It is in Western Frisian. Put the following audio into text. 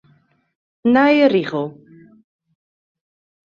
Nije rigel.